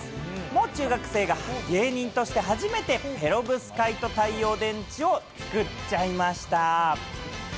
もう中学生が芸人として初めてペロブスカイト太陽電池を作っちゃいました。